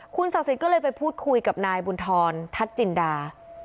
คุณศักดิ์สิทธิ์ก็เลยไปพูดคุยกับนายบุญธรทัศน์จินดา